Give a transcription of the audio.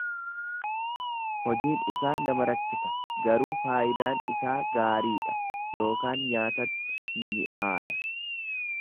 Hojiin isaa nama rakkisa garuu faayidaan isaa gaariidha ykn nyaatatti ni mi'aaya.